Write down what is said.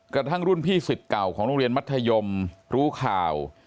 กระทั่งรุ่นพี่สิทธิ์เก่าของโรงเรียนมัธยมรู้ข่าว